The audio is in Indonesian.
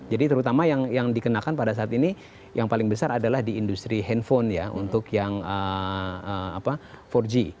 jadi terutama yang dikenakan pada saat ini yang paling besar adalah di industri handphone ya untuk yang empat g